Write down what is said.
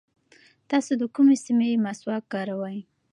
تاسو د کومې سیمې مسواک کاروئ؟